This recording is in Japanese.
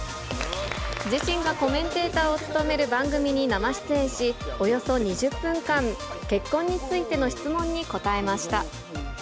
自身がコメンテーターを務める番組に生出演し、およそ２０分間、結婚についての質問に答えました。